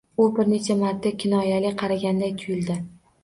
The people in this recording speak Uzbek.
U bir necha marta kinoyali qaraganday tuyuldi